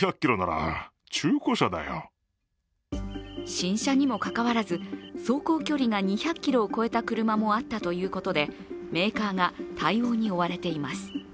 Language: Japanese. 新車にもかかわらず走行距離が２００ｋｍを超えた車もあったということでメーカーが対応に追われています。